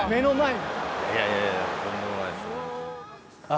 いやいやとんでもないです。